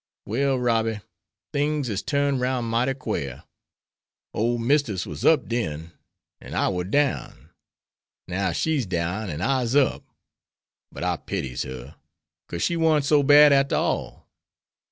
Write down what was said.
Well, Robby, things is turned 'roun' mighty quare. Ole Mistus war up den, an' I war down; now, she's down, an' I'se up. But I pities her, 'cause she warn't so bad arter all.